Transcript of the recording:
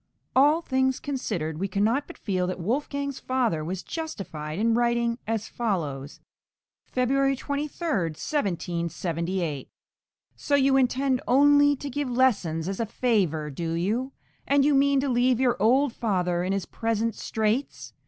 All things considered, we cannot but feel that Wolfgang's {MANNHEIM.} (412) father was justified in writing as follows (February 23, 1778) So you intend only to give lessons as a favour, do you? and you mean to leave your old father in his present straits?